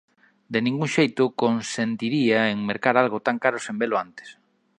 De ningún xeito consentiría en mercar algo tan caro sen velo antes.